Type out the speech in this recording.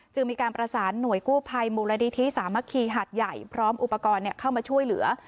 มีการประสานหน่วยกู้ภัยมูลนิธิสามัคคีหาดใหญ่พร้อมอุปกรณ์เข้ามาช่วยเหลือ